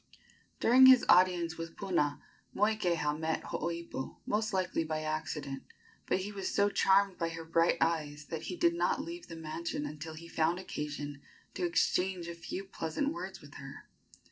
During his audience with Puna, Moikeha met Hooipo most likely by accident, but he was so charmed by her bright eyes that he did not leave the mansion until he found occasion to exchange a few pleasant words with her.